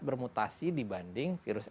bermutasi dibanding virus